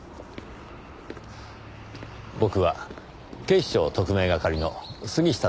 僕は警視庁特命係の杉下といいます。